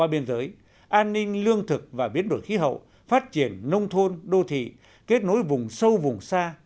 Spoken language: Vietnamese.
biên giới an ninh lương thực và biến đổi khí hậu phát triển nông thôn đô thị kết nối vùng sâu vùng xa